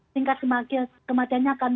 tingkat kematiannya akan